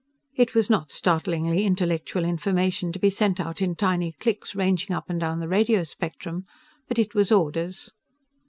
It was not startlingly intellectual information to be sent out in tiny clicks ranging up and down the radio spectrum. But it was orders.